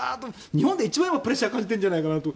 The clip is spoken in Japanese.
日本で一番今、プレッシャーを感じてるんじゃないかと。